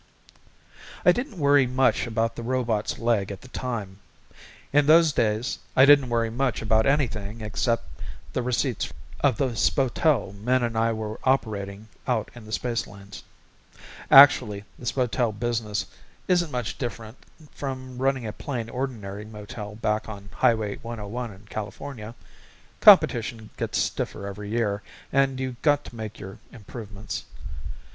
I didn't worry much about the robot's leg at the time. In those days I didn't worry much about anything except the receipts of the spotel Min and I were operating out in the spacelanes. Actually, the spotel business isn't much different from running a plain, ordinary motel back on Highway 101 in California. Competition gets stiffer every year and you got to make your improvements.